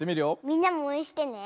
みんなもおうえんしてね。